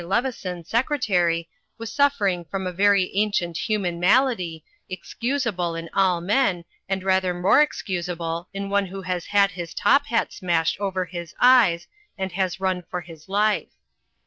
Leveson, Secretary, was suffering from a very ancient human malady, excusable in all men and rather more excusable in one who has had his top hat smashed over his eyes and has run for his life.